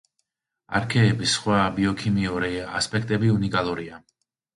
არქეების სხვა ბიოქიმიური ასპექტები უნიკალურია.